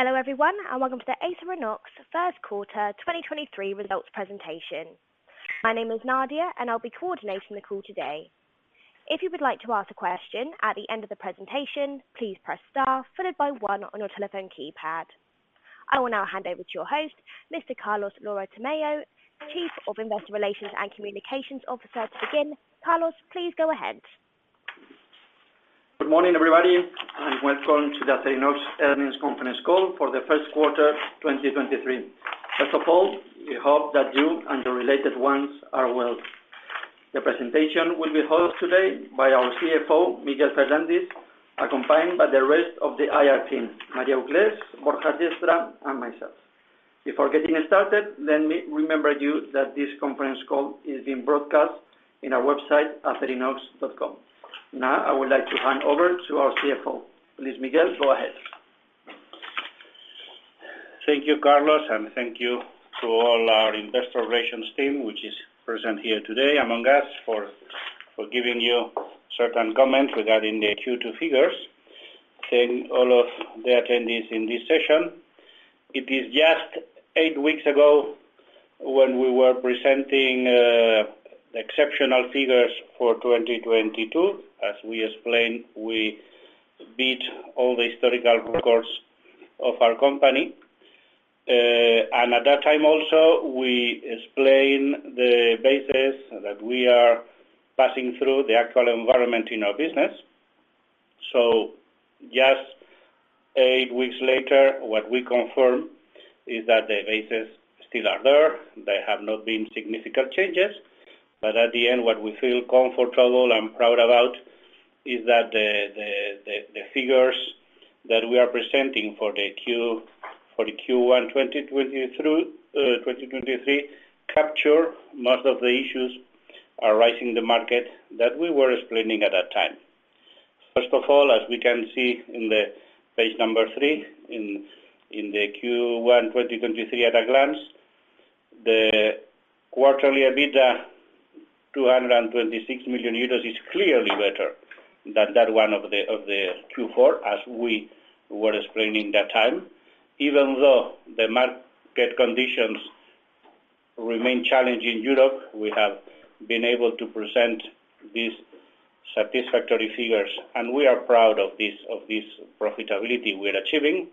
Hello everyone, welcome to the Acerinox First Quarter 2023 Results Presentation. My name is Nadia, I'll be coordinating the call today. If you would like to ask a question at the end of the presentation, please press star followed by one on your telephone keypad. I will now hand over to your host, Mr. Carlos Lora-Tamayo, Chief Investor Relations and Communications Officer to begin. Carlos, please go ahead. Good morning, everybody, and welcome to the Acerinox Earnings Conference Call for the first quarter, 2023. First of all, we hope that you and your related ones are well. The presentation will be hosted today by our CFO, Miguel Ferrandis, accompanied by the rest of the IR team, María Uclés, Borja Destra, and myself. Before getting started, let me remember you that this conference call is being broadcast in our website, acerinox.com. I would like to hand over to our CFO. Please, Miguel, go ahead. Thank you, Carlos, and thank you to all our investor relations team, which is present here today among us for giving you certain comments regarding the Q2 figures. All of the attendees in this session, it is just eight weeks ago when we were presenting exceptional figures for 2022. As we explained, we beat all the historical records of our company. At that time also, we explained the basis that we are passing through the actual environment in our business. Just 8 weeks later, what we confirm is that the basis still are there. There have not been significant changes. At the end, what we feel comfortable and proud about is that the figures that we are presenting for the Q1 2023 capture most of the issues arising the market that we were explaining at that time. First of all, as we can see in the page three in the Q1 2023 at a glance, the quarterly EBITDA, 226 million euros is clearly better than that one of the Q4, as we were explaining that time. Even though the market conditions remain challenging in Europe, we have been able to present these satisfactory figures, and we are proud of this profitability we are achieving.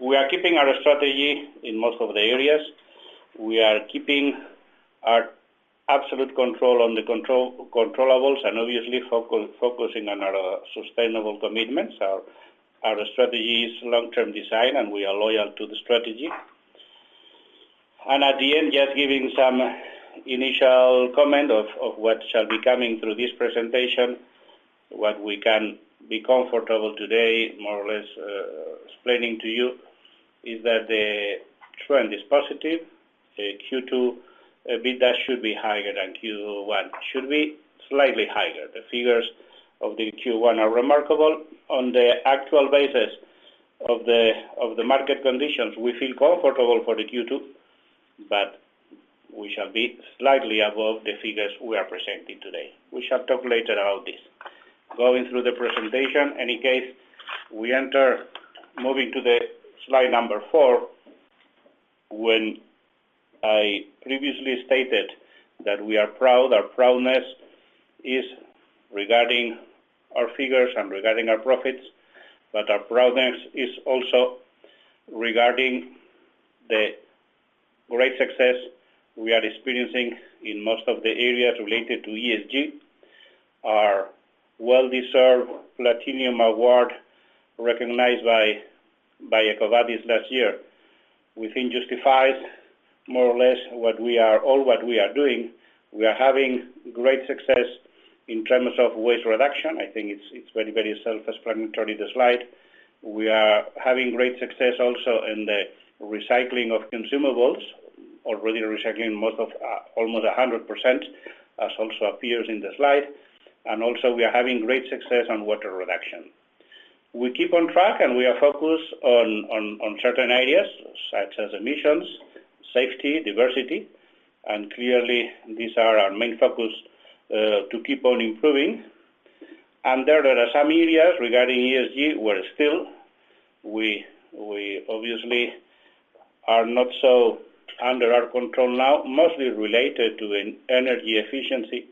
We are keeping our strategy in most of the areas. We are keeping our absolute control on the controllables and obviously focusing on our sustainable commitments. Our strategy is long-term design, we are loyal to the strategy. At the end, just giving some initial comment of what shall be coming through this presentation, what we can be comfortable today, more or less, explaining to you is that the trend is positive. The Q2 EBITDA should be higher than Q1. Should be slightly higher. The figures of the Q1 are remarkable. On the actual basis of the market conditions, we feel comfortable for the Q2, we shall be slightly above the figures we are presenting today. We shall talk later about this. Going through the presentation, moving to the slide number four, when I previously stated that we are proud, our proudness is regarding our figures and regarding our profits. Our proudness is also regarding the great success we are experiencing in most of the areas related to ESG. Our well-deserved Platinum Award, recognized by EcoVadis last year. We think justifies more or less all what we are doing. We are having great success in terms of waste reduction. I think it's very self-explanatory, the slide. We are having great success also in the recycling of consumables. Already recycling almost 100%, as also appears in the slide. Also we are having great success on water reduction. We keep on track, and we are focused on certain areas such as emissions, safety, diversity, and clearly these are our main focus to keep on improving. There are some areas regarding ESG where still we obviously are not so under our control now, mostly related to energy efficiency,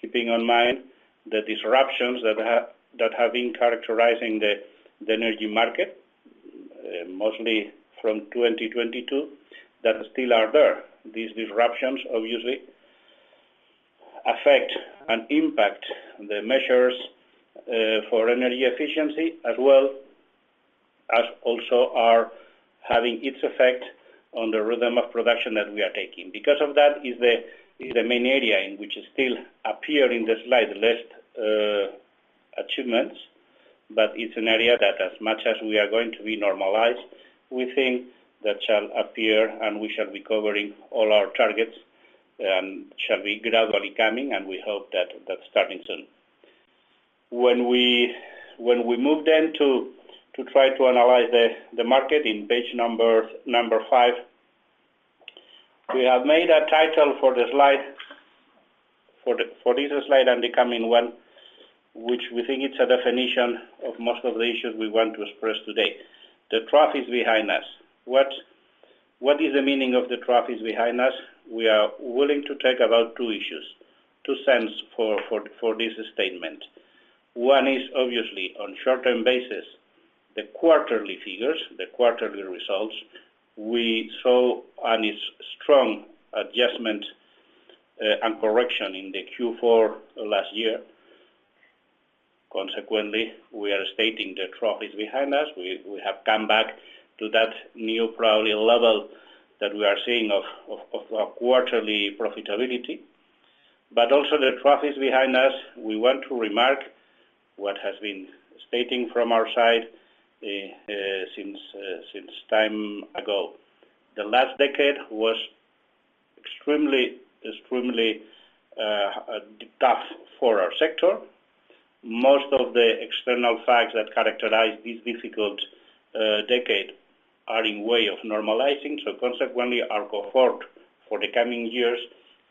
keeping in mind the disruptions that have been characterizing the energy market, mostly from 2022, that still are there. These disruptions obviously affect and impact the measures for energy efficiency as well as also are having its effect on the rhythm of production that we are taking. Because of that is the main area in which still appear in the slide list, achievements, but it's an area that as much as we are going to be normalized, we think that shall appear, and we shall be covering all our targets, shall be gradually coming, and we hope that that's starting soon. When we move then to try to analyze the market in page number five. We have made a title for the slide, for this slide and the coming one, which we think it's a definition of most of the issues we want to express today. The trough is behind us. What is the meaning of the trough is behind us? We are willing to talk about two issues, two cents for this statement. One is obviously on short-term basis, the quarterly figures, the quarterly results, we saw and it's strong adjustment and correction in the Q4 last year. We are stating the trough is behind us. We have come back to that new probably level that we are seeing of a quarterly profitability. Also the trough is behind us, we want to remark what has been stating from our side since time ago. The last decade was extremely tough for our sector. Most of the external facts that characterize this difficult decade are in way of normalizing, consequently, our cohort for the coming years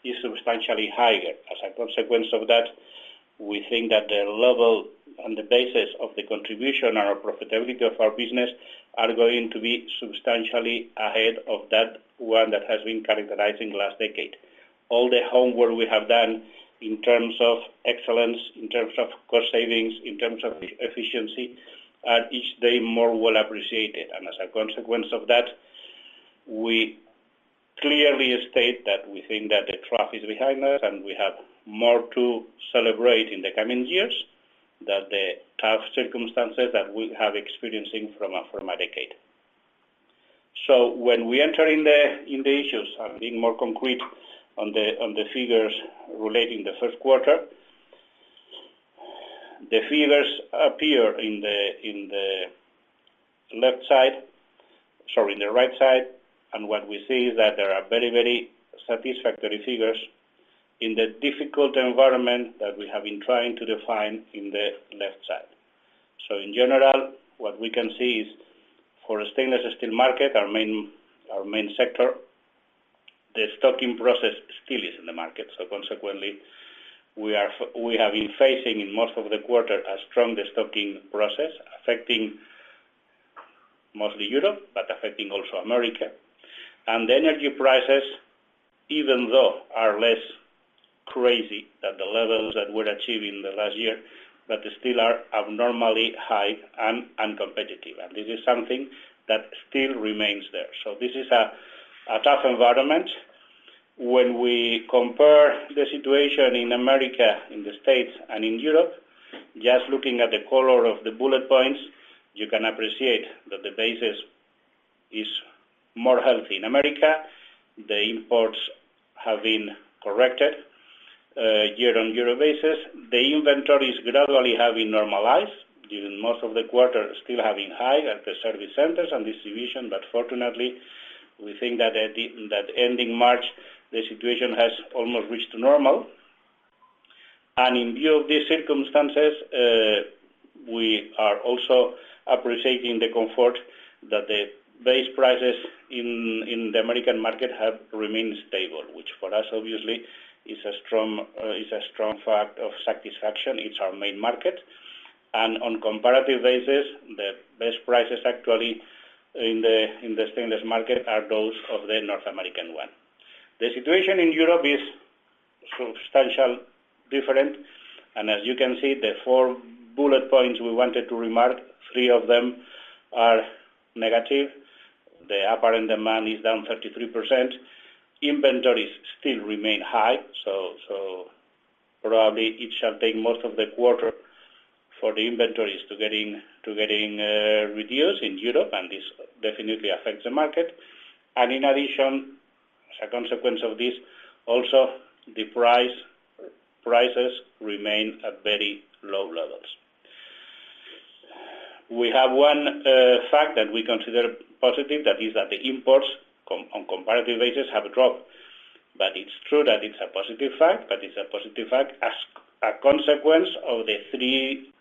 is substantially higher. As a consequence of that, we think that the level on the basis of the contribution and profitability of our business are going to be substantially ahead of that one that has been characterizing last decade. All the homework we have done in terms of excellence, in terms of cost savings, in terms of e-efficiency, are each day more well appreciated. As a consequence of that, we clearly state that we think that the trough is behind us, and we have more to celebrate in the coming years than the tough circumstances that we have experiencing from a decade. When we enter in the issues and being more concrete on the figures relating the first quarter, the figures appear in the left side. Sorry, in the right side. What we see is that there are very satisfactory figures in the difficult environment that we have been trying to define in the left side. In general, what we can see is for a stainless steel market, our main sector, the stocking process still is in the market. Consequently, we have been facing in most of the quarter a strong destocking process affecting mostly Europe, but affecting also America. The energy prices, even though are less crazy than the levels that we're achieving the last year, but they still are abnormally high and uncompetitive, and this is something that still remains there. This is a tough environment. When we compare the situation in America, in the States, and in Europe, just looking at the color of the bullet points, you can appreciate that the basis is more healthy in America. The imports have been corrected year-on-year basis. The inventories gradually have been normalized, given most of the quarter still having high at the service centers and distribution, but fortunately, we think that ending March, the situation has almost reached normal. In view of these circumstances, we are also appreciating the comfort that the base prices in the American market have remained stable, which for us obviously is a strong fact of satisfaction. It's our main market. On comparative basis, the best prices actually in the stainless market are those of the North American one. The situation in Europe is substantial different. As you can see, the four bullet points we wanted to remark, three of them are negative. The apparent demand is down 33%. Inventories still remain high, so probably it shall take most of the quarter for the inventories to getting reduced in Europe, and this definitely affects the market. In addition, as a consequence of this, also prices remain at very low levels. We have one fact that we consider positive, that is that the imports on comparative basis have dropped. It's true that it's a positive fact, but it's a positive fact as a consequence of the three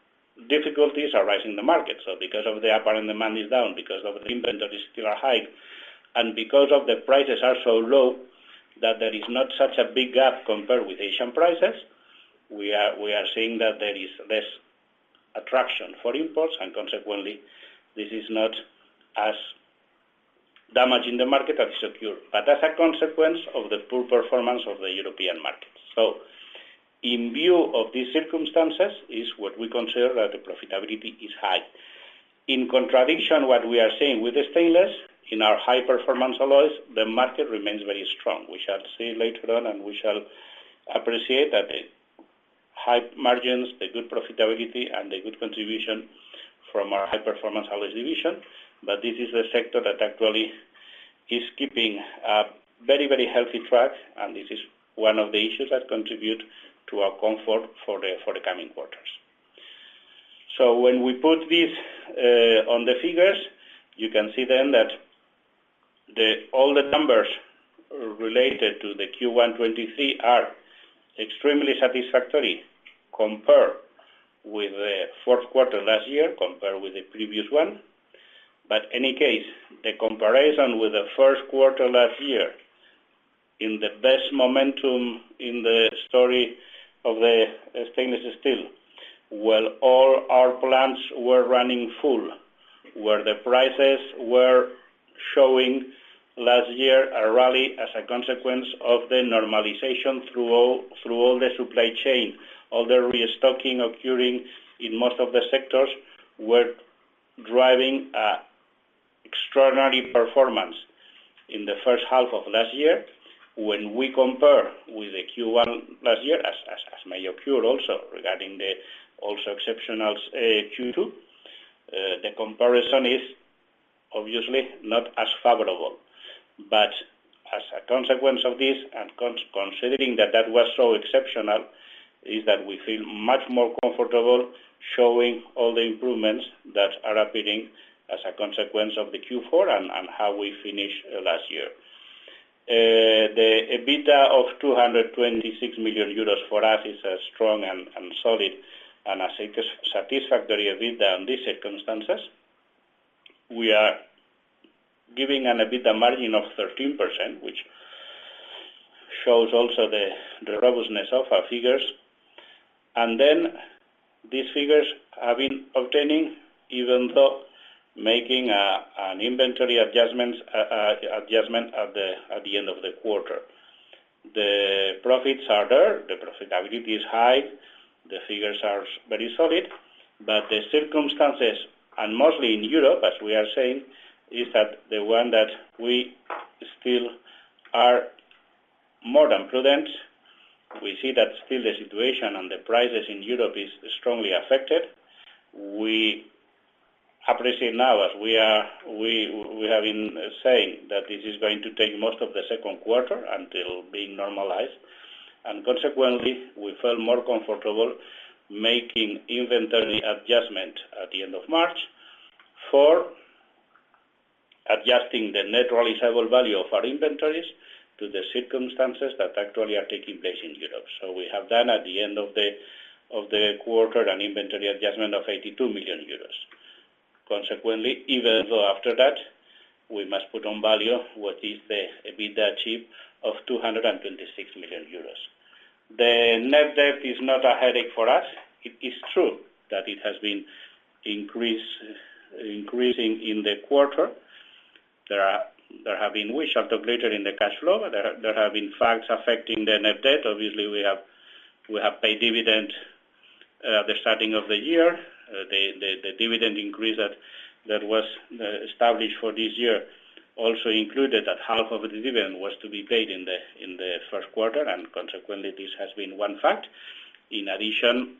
difficulties arising the market. Because of the apparent demand is down, because of the inventories still are high, and because of the prices are so low that there is not such a big gap compared with Asian prices, we are seeing that there is less attraction for imports, and consequently, this is not as damage in the market as secure. As a consequence of the poor performance of the European market. In view of these circumstances is what we consider that the profitability is high. In contradiction, what we are seeing with the stainless in our high-performance alloys, the market remains very strong. We shall see later on, and we shall appreciate that the high margins, the good profitability, and the good contribution from our High Performance Alloys division, but this is a sector that actually is keeping a very, very healthy track, and this is one of the issues that contribute to our comfort for the coming quarters. When we put this on the figures, you can see then that all the numbers related to the Q1 2023 are extremely satisfactory compared with the fourth quarter last year compared with the previous one. Any case, the comparison with the first quarter last year, in the best momentum in the story of the stainless steel, where all our plants were running full, where the prices were showing last year a rally as a consequence of the normalization through all the supply chain, all the restocking occurring in most of the sectors, were driving a extraordinary performance in the first half of last year. When we compare with the Q1 last year, as may occur also regarding the also exceptional Q2, the comparison is obviously not as favorable. As a consequence of this, and considering that that was so exceptional, is that we feel much more comfortable showing all the improvements that are appearing as a consequence of the Q4 and how we finished last year. The EBITDA of 226 million euros for us is strong and solid, and as a satisfactory EBITDA in these circumstances. We are giving an EBITDA margin of 13%, which shows also the robustness of our figures. These figures have been obtaining even though making an inventory adjustments adjustment at the end of the quarter. The profits are there, the profitability is high, the figures are very solid. The circumstances, and mostly in Europe, as we are saying, is that the one that we still are more than prudent. We see that still the situation and the prices in Europe is strongly affected. We appreciate now, as we have been saying that this is going to take most of the second quarter until being normalized. Consequently, we feel more comfortable making inventory adjustment at the end of March for adjusting the net realizable value of our inventories to the circumstances that actually are taking place in Europe. We have done at the end of the quarter an inventory adjustment of 82 million euros. Even though after that, we must put on value what is the EBITDA achieved of 226 million euros. The net debt is not a headache for us. It is true that it has been increased in the quarter. There have been, which are depleted in the cash flow. There have been facts affecting the net debt. Obviously, we have, we have paid dividend, the starting of the year. The dividend increase that was established for this year also included that half of the dividend was to be paid in the first quarter, consequently, this has been one fact. In addition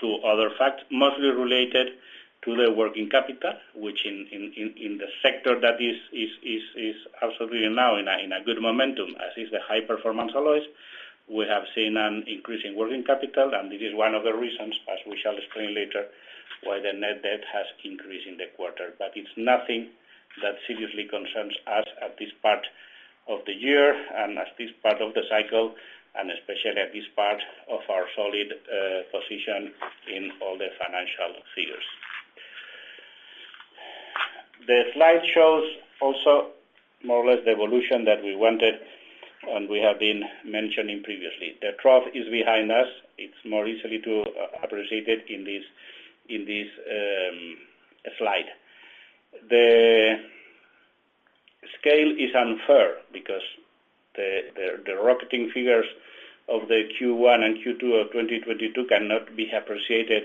to other facts, mostly related to the working capital, which in the sector that is absolutely now in a good momentum as is the High Performance Alloys. We have seen an increase in working capital, and this is one of the reasons, as we shall explain later, why the net debt has increased in the quarter. It's nothing that seriously concerns us at this part of the year and at this part of the cycle, and especially at this part of our solid position in all the financial figures. The slide shows also more or less the evolution that we wanted and we have been mentioning previously. The trough is behind us. It's more easily to appreciate it in this slide. The scale is unfair because the rocketing figures of the Q1 and Q2 of 2022 cannot be appreciated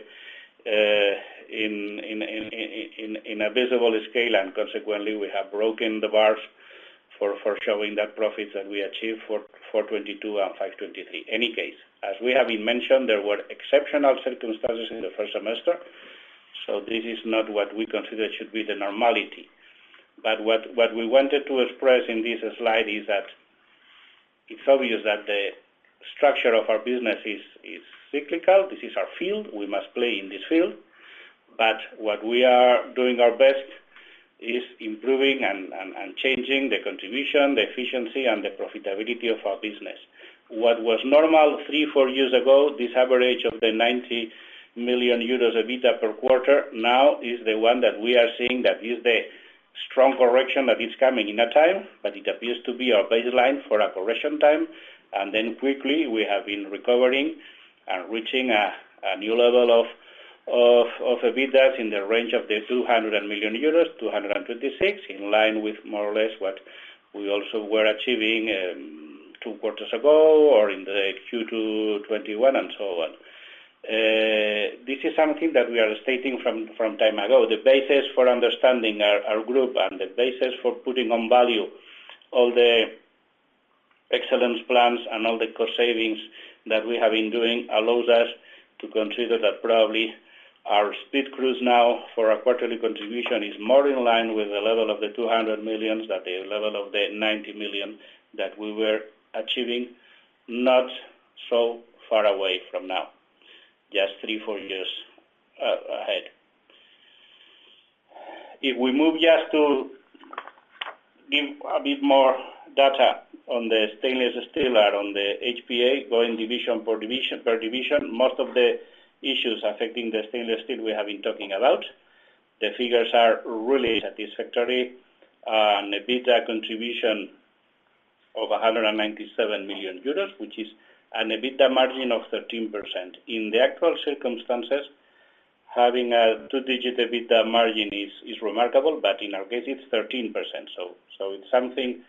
in a visible scale, and consequently, we have broken the bars for showing that profits that we achieved for 2022 and 2023. Any case, as we have been mentioned, there were exceptional circumstances in the first semester. This is not what we consider should be the normality. What we wanted to express in this slide is that it's obvious that the structure of our business is cyclical. This is our field. We must play in this field. What we are doing our best is improving and changing the contribution, the efficiency, and the profitability of our business. What was normal three, four years ago, this average of the 90 million euros EBITDA per quarter, now is the one that we are seeing that is the strong correction that is coming in a time, but it appears to be our baseline for a correction time. Then quickly, we have been recovering and reaching a new level of EBITDA in the range of the 200 million euros, 226 million, in line with more or less what we also were achieving two quarters ago or in the Q2 2021, and so on. This is something that we are stating from time ago. The basis for understanding our group and the basis for putting on value all the excellence plans and all the cost savings that we have been doing allows us to consider that probably our speed cruise now for our quarterly contribution is more in line with the level of 200 million at the level of 90 million that we were achieving not so far away from now, just three, four years ago. We move just to give a bit more data on the stainless steel or on the HPA going division per division, most of the issues affecting the stainless steel we have been talking about, the figures are really satisfactory. An EBITDA contribution of 197 million euros, which is an EBITDA margin of 13%. In the actual circumstances, having a two-digit EBITDA margin is remarkable, in our case, it's 13%. It's something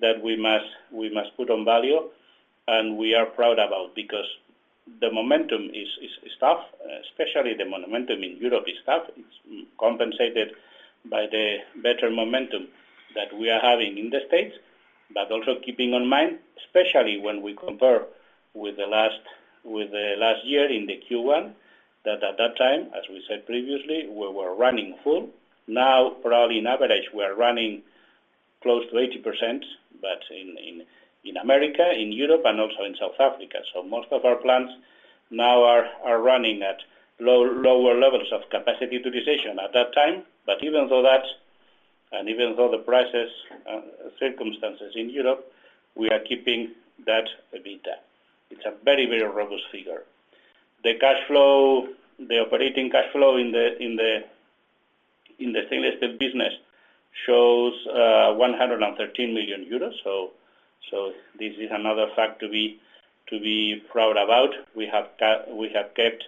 that we must put on value, and we are proud about because the momentum is tough, especially the momentum in Europe is tough. It's compensated by the better momentum that we are having in the States, but also keeping in mind, especially when we compare with the last year in the Q1, that at that time, as we said previously, we were running full. Now, probably in average, we are running close to 80%, but in America, in Europe, and also in South Africa. Most of our plants now are running at lower levels of capacity utilization at that time. Even though that, and even though the prices, circumstances in Europe, we are keeping that EBITDA. It's a very robust figure. The cash flow, the operating cash flow in the stainless steel business shows 113 million euros. This is another fact to be proud about. We have kept,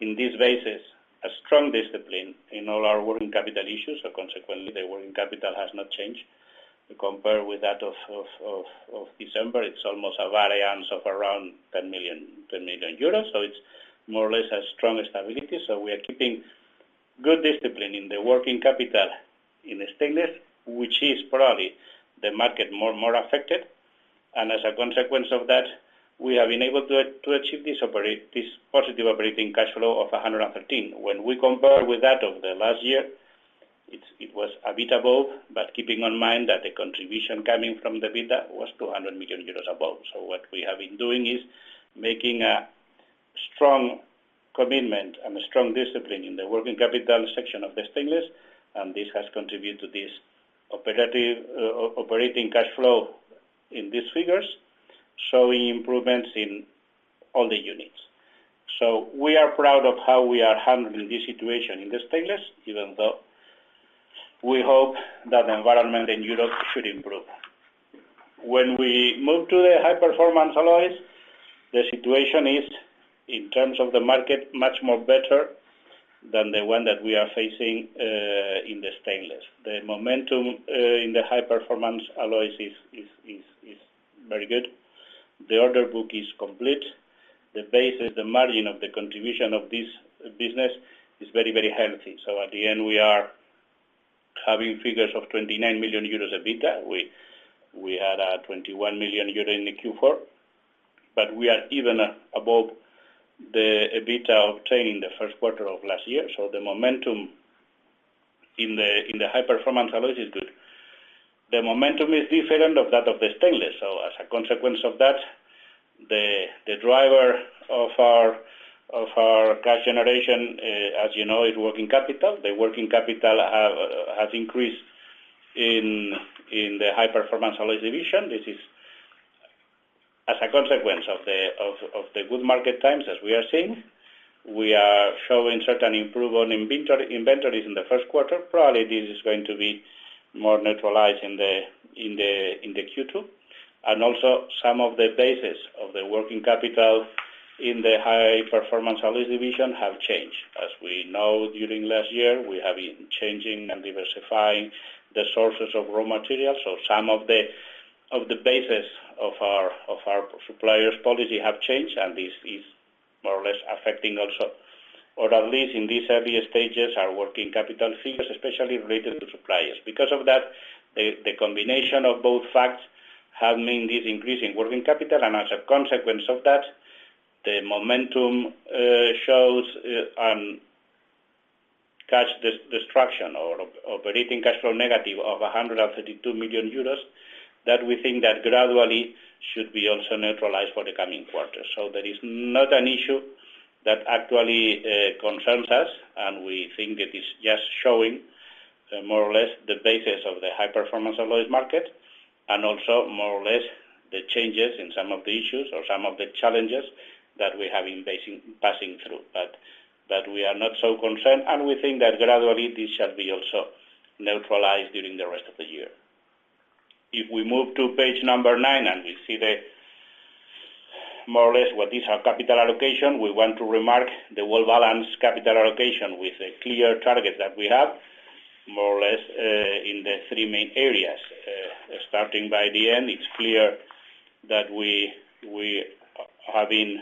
in this basis, a strong discipline in all our working capital issues, so consequently, the working capital has not changed. To compare with that of December, it's almost a variance of around 10 million euros. It's more or less a strong stability. We are keeping good discipline in the working capital in the stainless, which is probably the market more affected. As a consequence of that, we have been able to achieve this positive operating cash flow of 113. When we compare with that of the last year, it was EBITDAable, but keeping in mind that the contribution coming from the EBITDA was 200 million euros above. What we have been doing is making a strong commitment and a strong discipline in the working capital section of the stainless, and this has contributed to this operating cash flow in these figures, showing improvements in all the units. We are proud of how we are handling this situation in the stainless, even though we hope that the environment in Europe should improve. When we move to the High Performance Alloys, the situation is, in terms of the market, much more better than the one that we are facing in the stainless. The momentum in the High Performance Alloys is very good. The order book is complete. The basis, the margin of the contribution of this business is very healthy. At the end, we are having figures of 29 million euros EBITDA. We had 21 million euro in the Q4, but we are even above the EBITDA obtained in the first quarter of last year. The momentum in the High Performance Alloys is good. The momentum is different of that of the stainless. As a consequence of that, the driver of our cash generation, as you know, is working capital. The working capital has increased in the High Performance Alloys division. This is as a consequence of the good market times as we are seeing. We are showing certain improvement in inventories in the first quarter. Probably, this is going to be more neutralized in the Q2. Also, some of the basis of the working capital in the High Performance Alloys division have changed. As we know, during last year, we have been changing and diversifying the sources of raw materials. Some of the basis of our suppliers' policy have changed, this is more or less affecting also, or at least in these earlier stages, our working capital figures, especially related to suppliers. Because of that, the combination of both facts have meant this increase in working capital, and as a consequence of that, the momentum shows cash destruction or operating cash flow negative of 132 million euros, that we think that gradually should be also neutralized for the coming quarters. That is not an issue that actually concerns us, and we think it is just showing more or less the basis of the High Performance Alloys market and also more or less the changes in some of the issues or some of the challenges that we have been passing through. We are not so concerned, and we think that gradually this shall be also neutralized during the rest of the year. If we move to page number nine and we see the more or less what is our capital allocation, we want to remark the well-balanced capital allocation with a clear target that we have, more or less, in the three main areas. Starting by the end, it's clear that we have been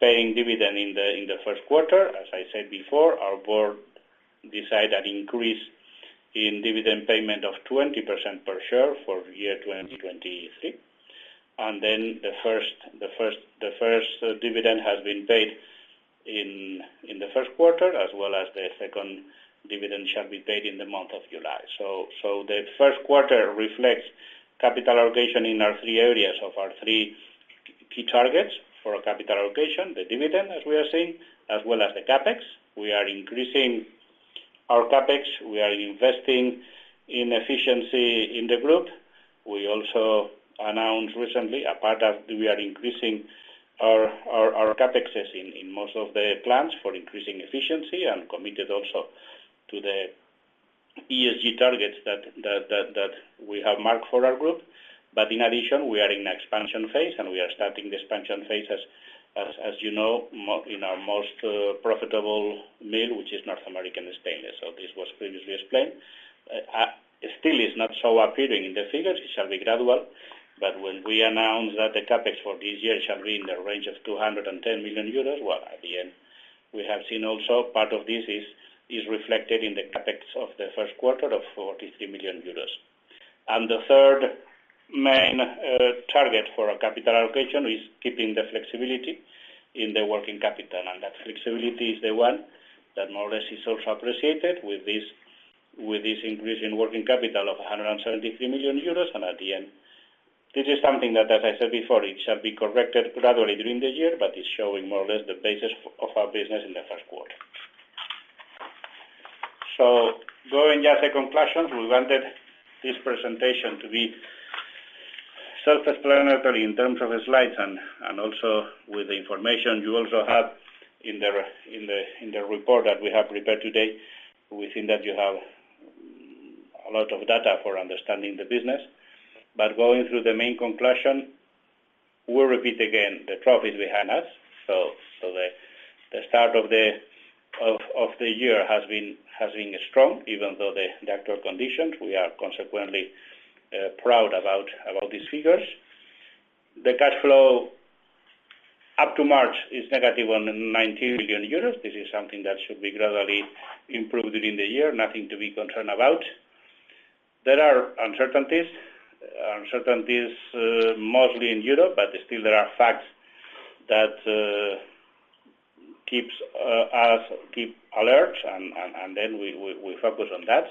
paying dividend in the first quarter. As I said before, our board decide an increase in dividend payment of 20% per share for year 2023. The first dividend has been paid in the first quarter, as well as the second dividend shall be paid in the month of July. The first quarter reflects capital allocation in our three areas of our three key targets for our capital allocation, the dividend, as we are seeing, as well as the CapEx. We are increasing our CapEx. We are investing in efficiency in the group. We also announced recently a part of we are increasing our CapExes in most of the plants for increasing efficiency and committed also to the ESG targets that we have marked for our group. In addition, we are in expansion phase, and we are starting the expansion phase as you know, in our most profitable mill, which is North American Stainless. This was previously explained. Still it's not so appearing in the figures. It shall be gradual, when we announce that the CapEx for this year shall be in the range of 210 million euros, well, at the end we have seen also part of this is reflected in the CapEx of the first quarter of 43 million euros. The third main target for our capital allocation is keeping the flexibility in the working capital. That flexibility is the one that more or less is also appreciated with this increase in working capital of 173 million euros. At the end, this is something that, as I said before, it shall be corrected gradually during the year, but it's showing more or less the basis of our business in the first quarter. Going as a conclusion, we wanted this presentation to be self-explanatory in terms of the slides and also with the information you also have in the report that we have prepared today. We think that you have a lot of data for understanding the business. Going through the main conclusion, we'll repeat again, the trough is behind us. The start of the year has been strong, even though the actual conditions, we are consequently proud about these figures. The cash flow up to March is negative on 90 million euros. This is something that should be gradually improved during the year. Nothing to be concerned about. There are uncertainties mostly in Europe, still there are facts that keeps us alert and then we focus on that.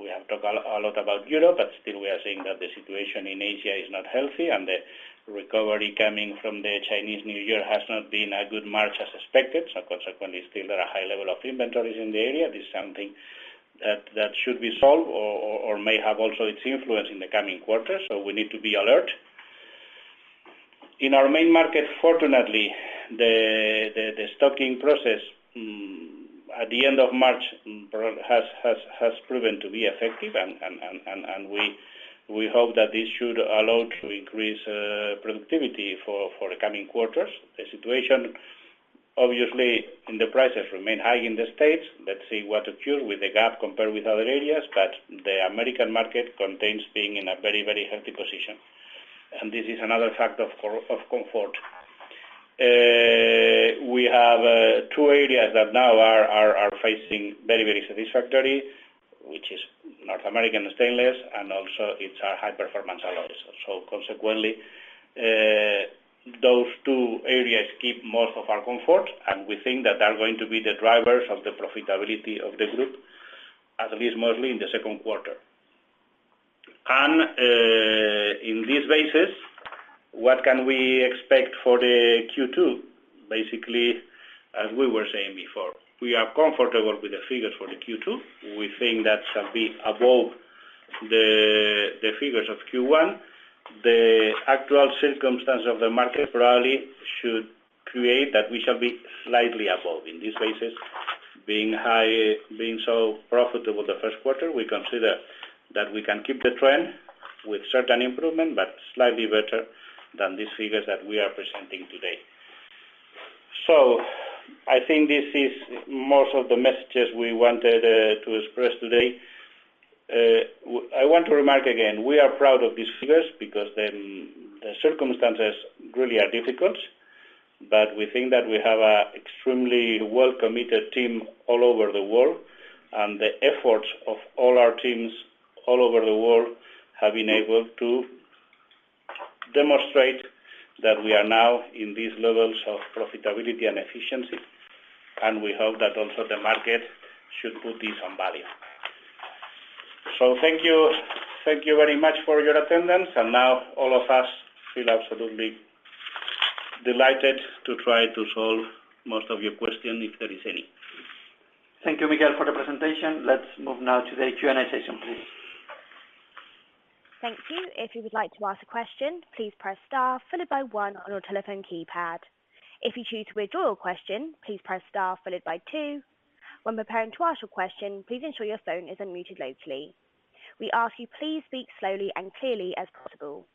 We have talked a lot about Europe, still we are seeing that the situation in Asia is not healthy, and the recovery coming from the Chinese New Year has not been a good March as expected. Consequently, still there are high level of inventories in the area. This is something that should be solved or may have also its influence in the coming quarters. We need to be alert. In our main market, fortunately, the stocking process at the end of March has proven to be effective and we hope that this should allow to increase productivity for the coming quarters. The situation, obviously, and the prices remain high in the States. Let's see what occurs with the gap compared with other areas. The American market continues being in a very, very healthy position. This is another factor of comfort. We have two areas that now are facing very, very satisfactory, which is North American Stainless and also it's our High Performance Alloys. Consequently, those two areas keep most of our comfort, and we think that they are going to be the drivers of the profitability of the group, at least mostly in the second quarter. In this basis, what can we expect for the Q2? Basically, as we were saying before, we are comfortable with the figures for the Q2. We think that shall be above the figures of Q1. The actual circumstance of the market probably should create that we shall be slightly above. In this basis, being so profitable the first quarter, we consider that we can keep the trend with certain improvement, but slightly better than these figures that we are presenting today. I think this is most of the messages we wanted to express today. I want to remark again, we are proud of these figures because the circumstances really are difficult. We think that we have a extremely well-committed team all over the world, and the efforts of all our teams all over the world have enabled to demonstrate that we are now in these levels of profitability and efficiency, and we hope that also the market should put this on value. Thank you. Thank you very much for your attendance. Now all of us feel absolutely delighted to try to solve most of your questions if there is any. Thank you, Miguel, for the presentation. Let's move now to the Q&A session, please. Thank you. If you would like to ask a question, please press star followed by one on your telephone keypad. If you choose to withdraw your question, please press star followed by two. When preparing to ask your question, please ensure your phone is unmuted locally. We ask you please speak slowly and clearly as possible.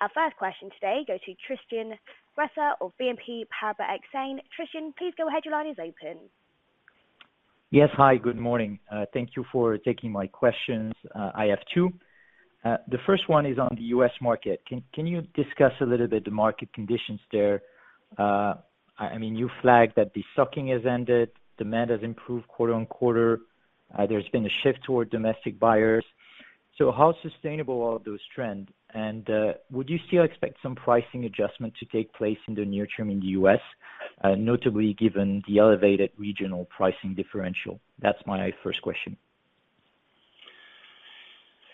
Our first question today goes to Tristan Gresser of BNP Paribas Exane. Tristan, please go ahead. Your line is open. Yes. Hi, good morning. Thank you for taking my questions. I have two. The first one is on the U.S. market. Can you discuss a little bit the market conditions there? I mean, you flagged that the stocking has ended, demand has improved quarter-on-quarter. There's been a shift toward domestic buyers. How sustainable are those trends? Would you still expect some pricing adjustment to take place in the near term in the U.S., notably given the elevated regional pricing differential? That's my first question.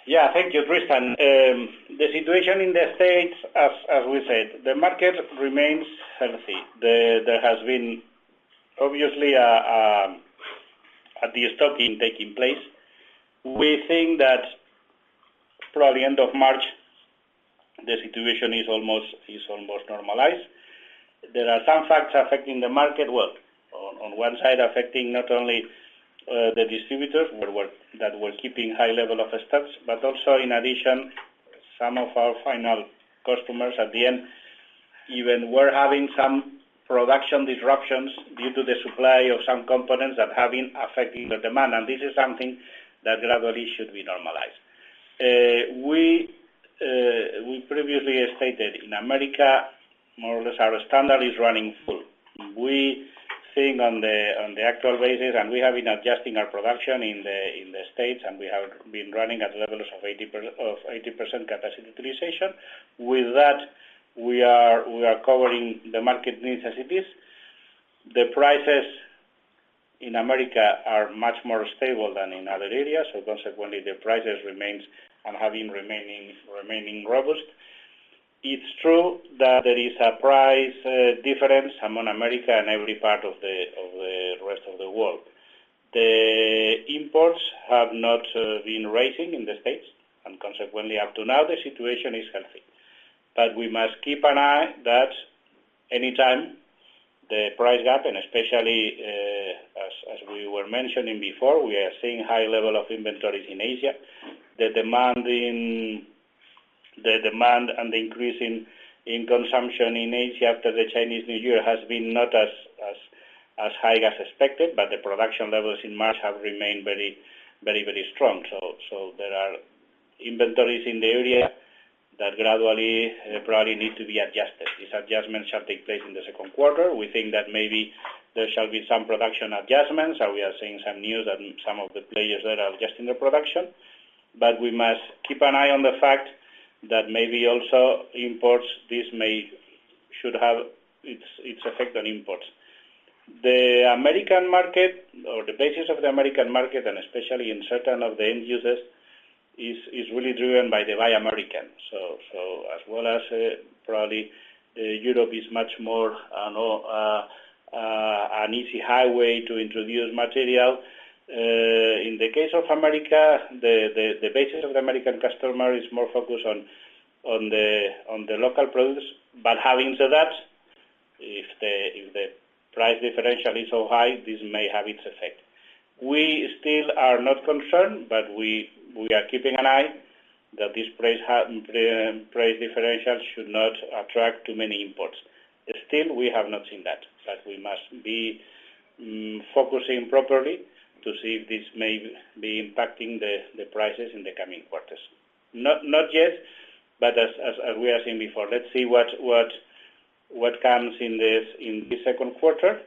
Yeah. Thank you, Tristan. The situation in the States, as we said, the market remains healthy. There has been obviously a destocking taking place. We think that probably end of March, the situation is almost normalized. Well, on one side affecting not only the distributors that were keeping high level of stocks, but also in addition, some of our final customers at the end even were having some production disruptions due to the supply of some components that have been affecting the demand. This is something that gradually should be normalized. We previously stated in America, more or less our standard is running full. We seeing on the actual basis, and we have been adjusting our production in the States, and we have been running at levels of 80% capacity utilization. With that, we are covering the market needs as it is. The prices in America are much more stable than in other areas, consequently the prices remains and have been remaining robust. It's true that there is a price difference among America and every part of the rest of the world. The imports have not been rising in the States, consequently up to now the situation is healthy. We must keep an eye that any time the price gap, and especially, as we were mentioning before, we are seeing high level of inventories in Asia. The demand in... The demand and the increase in consumption in Asia after the Chinese New Year has been not as high as expected. The production levels in March have remained very strong. There are inventories in the area that gradually probably need to be adjusted. These adjustments shall take place in the second quarter. We think that maybe there shall be some production adjustments, and we are seeing some news and some of the players that are adjusting their production. We must keep an eye on the fact that maybe also imports should have its effect on imports. The American market or the basis of the American market, and especially in certain of the end users, is really driven by the Buy American. As well as, probably, Europe is much more, no, an easy highway to introduce material. In the case of America, the basis of the American customer is more focused on the local products. Having said that, if the price differential is so high, this may have its effect. We still are not concerned, but we are keeping an eye that this price differential should not attract too many imports. We have not seen that. We must be focusing properly to see if this may be impacting the prices in the coming quarters. Not yet, but as we are seeing before. Let's see what comes in this, in the second quarter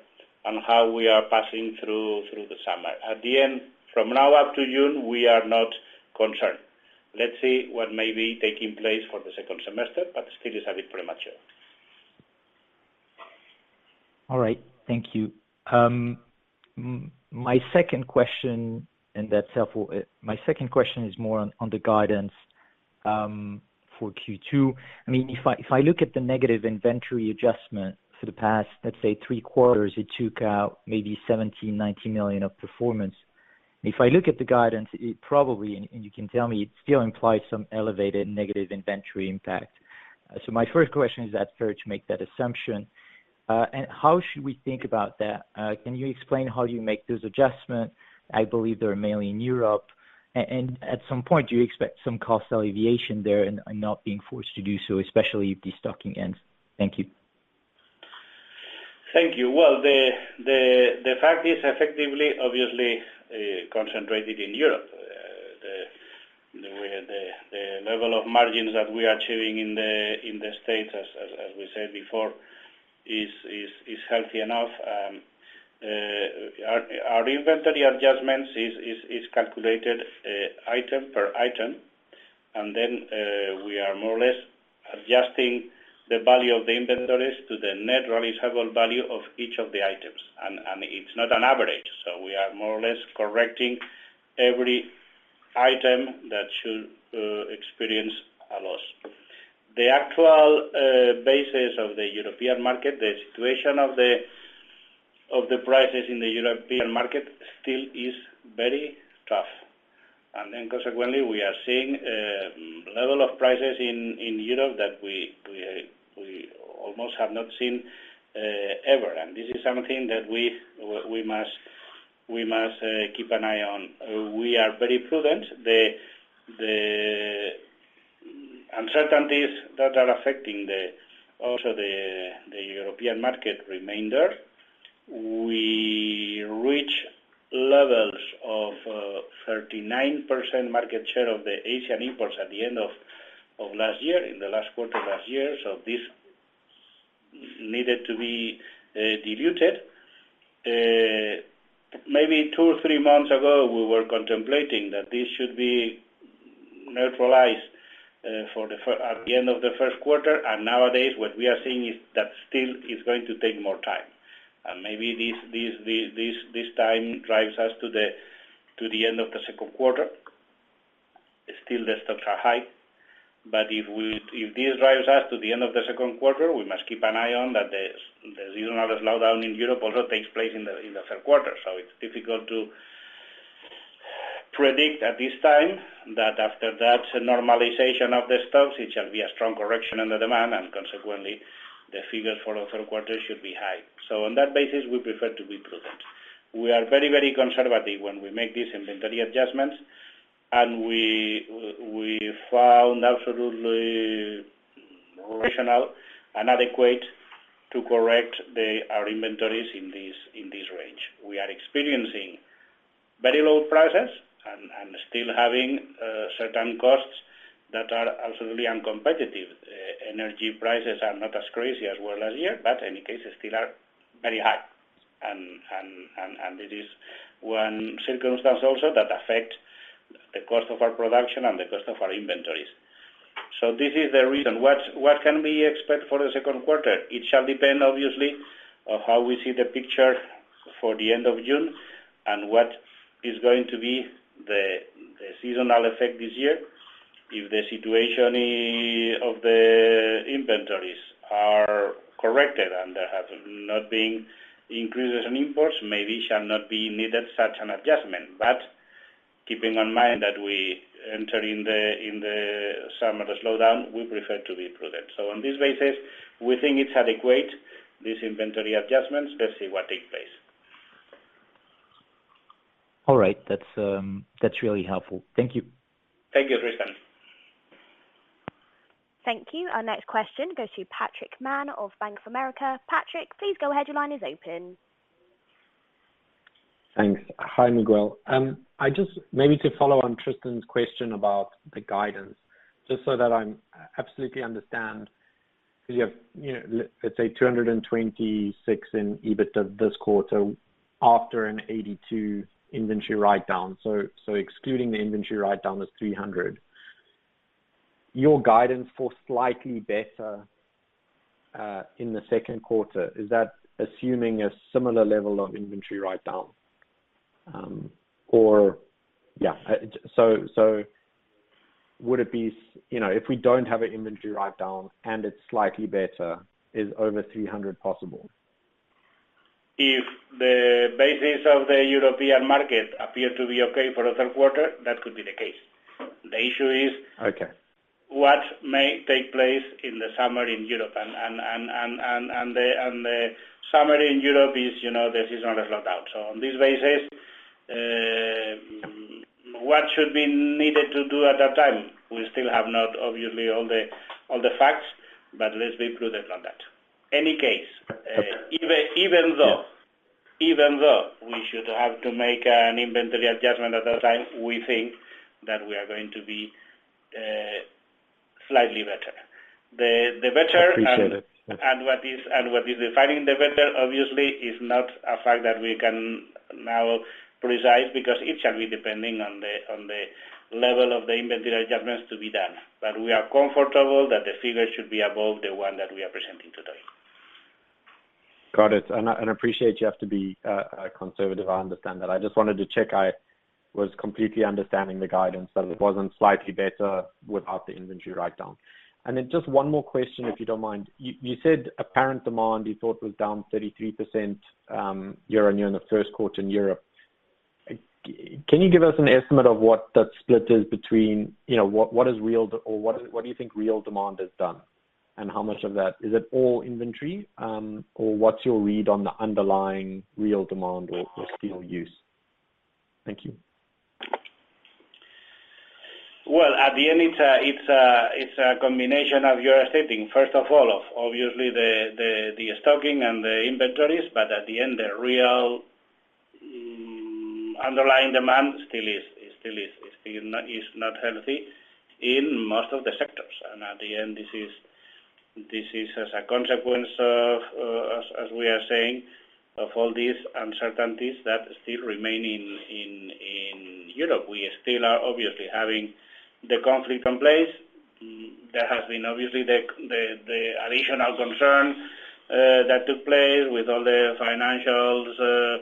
and how we are passing through the summer.At the end, from now up to June, we are not concerned. Let's see what may be taking place for the second semester, but still is a bit premature. All right, thank you. My second question, and that's helpful. My second question is more on the guidance for Q2. I mean, if I look at the negative inventory adjustment for the past, let's say three quarters, it took out maybe 17 million-19 million of performance. If I look at the guidance, it probably, and you can tell me, it still implies some elevated negative inventory impact. My first question, is that fair to make that assumption? How should we think about that? Can you explain how you make those adjustments? I believe they are mainly in Europe. At some point, do you expect some cost alleviation there and not being forced to do so, especially if destocking ends? Thank you. Thank you. Well, the fact is effectively obviously concentrated in Europe. The way the level of margins that we are achieving in the States, as we said before, is healthy enough. Our inventory adjustments is calculated item per item. We are more or less adjusting the value of the inventories to the net realizable value of each of the items. It's not an average, so we are more or less correcting every item that should experience a loss. The actual basis of the European market, the situation of the prices in the European market still is very tough. Consequently, we are seeing a level of prices in Europe that we almost have not seen ever. This is something that we must keep an eye on. We are very prudent. The uncertainties that are affecting also the European market remainder. We reach levels of 39% market share of the Asian imports at the end of last year, in the last quarter last year. This needed to be diluted. Maybe two or three months ago, we were contemplating that this should be neutralized at the end of the first quarter. Nowadays, what we are seeing is that still it's going to take more time. Maybe this time drives us to the end of the second quarter. Still the stocks are high. If this drives us to the end of the second quarter, we must keep an eye on that the seasonal slowdown in Europe also takes place in the third quarter. It's difficult to predict at this time that after that normalization of the stocks, it shall be a strong correction in the demand, and consequently, the figures for the third quarter should be high. On that basis, we prefer to be prudent. We are very, very conservative when we make these inventory adjustments, and we found absolutely rational and adequate to correct our inventories in this, in this range. We are experiencing very low prices and still having certain costs that are absolutely uncompetitive. Energy prices are not as crazy as were last year, but any case they still are very high. It is one circumstance also that affect the cost of our production and the cost of our inventories. This is the reason. What can we expect for the second quarter? It shall depend obviously on how we see the picture for the end of June and what is going to be the seasonal effect this year. If the situation of the inventories are corrected and there have not been increases in imports, maybe shall not be needed such an adjustment. Keeping in mind that we enter in the, in the summer slowdown, we prefer to be prudent. On this basis, we think it's adequate, these inventory adjustments. Let's see what takes place. All right. That's, that's really helpful. Thank you. Thank you, Tristan. Thank you. Our next question goes to Patrick Mann of Bank of America. Patrick, please go ahead. Your line is open. Thanks. Hi, Miguel. Maybe to follow on Tristan's question about the guidance, just so that I absolutely understand. You have, you know, let's say 226 in EBIT this quarter after an 82 inventory write down. Excluding the inventory write down was 300. Your guidance for slightly better in the second quarter, is that assuming a similar level of inventory write down? Or. Yeah. Would it be, you know, if we don't have an inventory write down and it's slightly better, is over 300 possible? If the basis of the European market appear to be okay for the third quarter, that could be the case. The issue is. Okay... what may take place in the summer in Europe. The summer in Europe is, you know, the seasonal slowdown. On this basis, what should be needed to do at that time? We still have not obviously all the, all the facts, but let's be prudent on that. Okay... even Yeah... even though we should have to make an inventory adjustment at that time, we think that we are going to be slightly better. The better and... Appreciate it. Yeah.... and what is defining the better obviously is not a fact that we can now precise, because it shall be depending on the level of the inventory adjustments to be done. We are comfortable that the figures should be above the one that we are presenting today. Got it. I appreciate you have to be conservative. I understand that. I just wanted to check I was completely understanding the guidance, that it wasn't slightly better without the inventory write down. Just one more question, if you don't mind. You said apparent demand you thought was down 33% year-on-year in the first quarter in Europe. Can you give us an estimate of what that split is between, you know, what do you think real demand is done? How much of that... Is it all inventory, or what's your read on the underlying real demand or steel use? Thank you. Well, at the end it's a combination of you're stating, first of all, of obviously the stocking and the inventories. At the end, the real underlying demand still is not healthy in most of the sectors. At the end, this is as a consequence of as we are saying, of all these uncertainties that still remain in Europe. We still are obviously having the conflict in place. There has been obviously the additional concern that took place with all the financials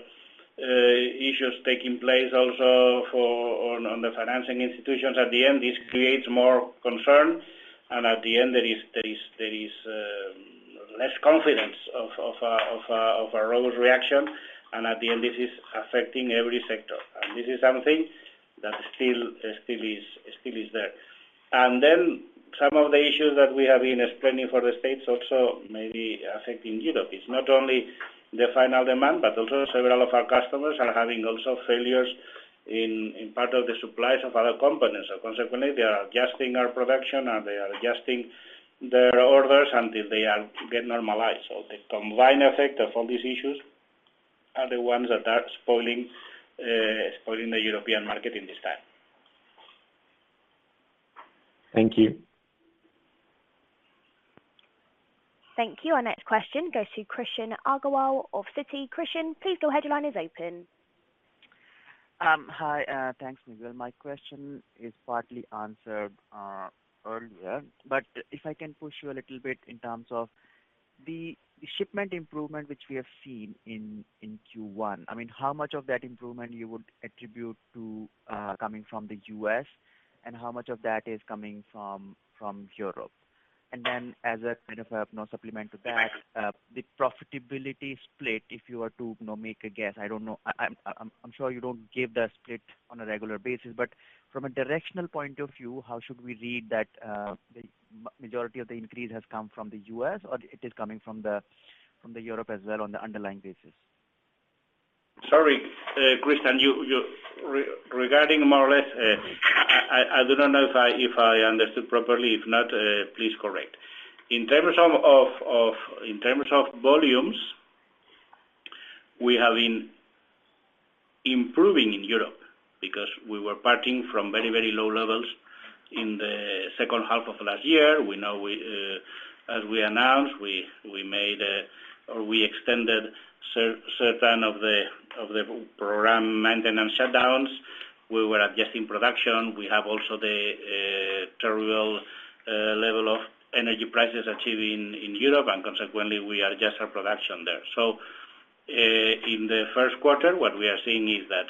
issues taking place also for on the financing institutions. At the end, this creates more concern. At the end, there is less confidence of a robust reaction. At the end, this is affecting every sector. This is something that still is there. Some of the issues that we have been explaining for the States also may be affecting Europe. It's not only the final demand, but also several of our customers are having also failures in part of the supplies of other components. Consequently, they are adjusting our production, and they are adjusting their orders until they get normalized. The combined effect of all these issues are the ones that are spoiling the European market in this time. Thank you. Thank you. Our next question goes to Krishan Agarwal of Citi. Krishan, please your headline is open. Hi, thanks Miguel. My question is partly answered earlier, but if I can push you a little bit in terms of the shipment improvement which we have seen in Q1. I mean, how much of that improvement you would attribute to coming from the U.S. and how much of that is coming from Europe? As a kind of, you know, supplement to that, the profitability split, if you were to, you know, make a guess. I don't know. I'm sure you don't give the split on a regular basis. From a directional point of view, how should we read that the majority of the increase has come from the US or it is coming from the Europe as well on the underlying basis? Sorry, Krishan. You, regarding more or less, I do not know if I understood properly. If not, please correct. In terms of volumes, we have been improving in Europe because we were parting from very, very low levels in the second half of last year. We know we, as we announced, we made or we extended certain of the program maintenance shutdowns. We were adjusting production. We have also the terrible level of energy prices achieved in Europe. Consequently, we adjust our production there. In the first quarter, what we are seeing is that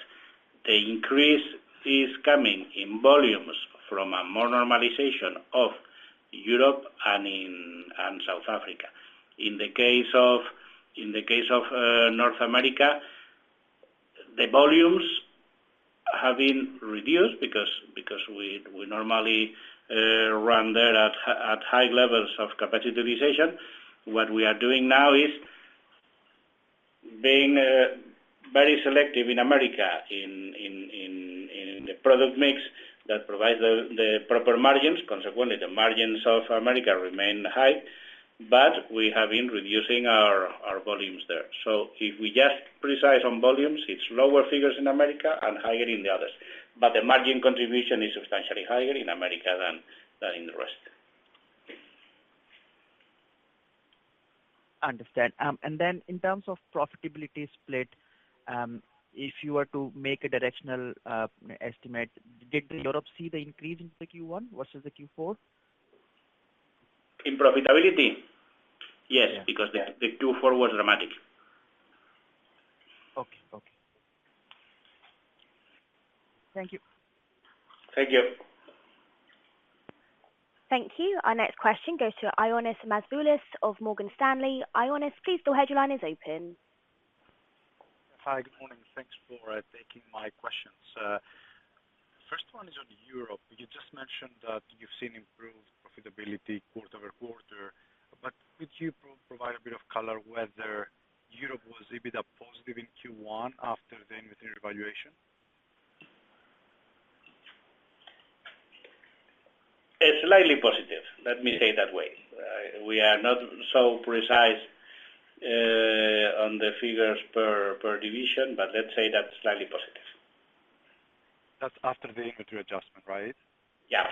the increase is coming in volumes from a more normalization of Europe and South Africa. In the case of North America, the volumes have been reduced because we normally run there at high levels of capitalization. What we are doing now is being very selective in America in the product mix that provides the proper margins. Consequently, the margins of America remain high, but we have been reducing our volumes there. If we just precise on volumes, it's lower figures in America and higher in the others. The margin contribution is substantially higher in America than in the rest. Understand. In terms of profitability split, if you were to make a directional estimate, did Europe see the increase in the Q1 versus the Q4? In profitability? Yeah. Yes, because the Q4 was dramatic. Okay. Okay. Thank you. Thank you. Thank you. Our next question goes to Ioannis Masvoulas of Morgan Stanley. Ioannis, please, your line is open. Hi. Good morning. Thanks for taking my questions. First one is on Europe. You just mentioned that you've seen improved profitability quarter-over-quarter. Could you provide a bit of color whether Europe was a bit of positive in Q1 after the inventory evaluation? A slightly positive. Let me say it that way. We are not so precise on the figures per division, but let's say that's slightly positive. That's after the inventory adjustment, right? Yeah.